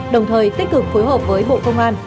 đồng thời tích cực phối hợp với bộ công an